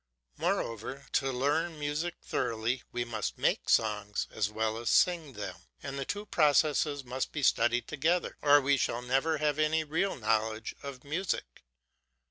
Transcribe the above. Moreover, to learn music thoroughly we must make songs as well as sing them, and the two processes must be studied together, or we shall never have any real knowledge of music.